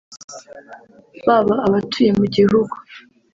baba abatuye mu gihugu